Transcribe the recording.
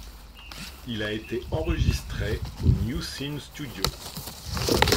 Il a été enregistré au New Sin Studio.